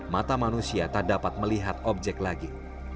mata manusia tak dapat melihat objek lagi